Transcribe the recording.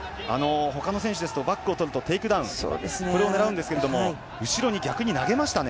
ほかの選手ですとバックを取るとテイクダウンこれを狙いますが後ろに逆に投げましたね。